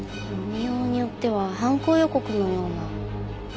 読みようによっては犯行予告のような。